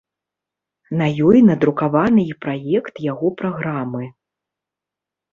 На ёй надрукаваны і праект яго праграмы.